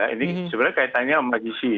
ini sebenarnya kaitannya sama gisi